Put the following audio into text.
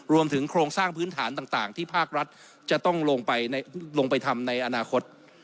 รวมถึงโครงสร้างพื้นฐานต่างที่ภาครัฐจะต้องลงไปทำในอนาคต